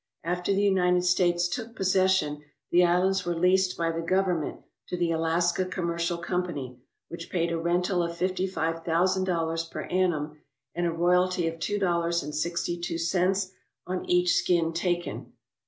After the United States took possession the islands were leased by the Government to the Alaska Commercial Company, which paid a rental of fifty five thousand dollars per annum and a royalty of two dollars and sixty two cents on each skin taken.